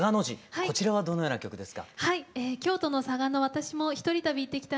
これはどのような歌ですか？